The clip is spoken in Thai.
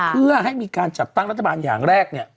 เพื่อให้มีการจัดตั้งรัฐบาลอย่างแรกเนี่ย